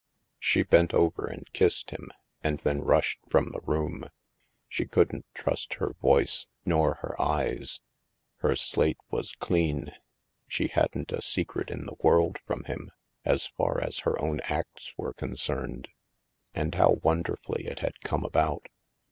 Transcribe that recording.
She bent over and kissed him and then rushed from the room. She couldn't trust her voice nor her eyes. Her slate was clean. She hadn't a secret in the world from him, as far as her own acts were con cerned. And how wonderfully it had come about!